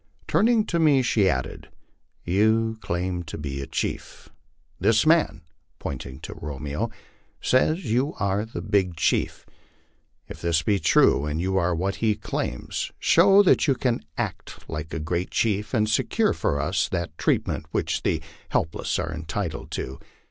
Turning to me she added, " You claim to be a chief. This man " (pointing to Romeo) ' says you are the big chief. If this be true and you are what he claims, show that you can act like a great chief and secure for us that treatment which the helpless are entitled to."